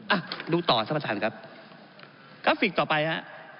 อ่ะดูต่อสำหรับประธานครับก็ฟิกต่อไปนะ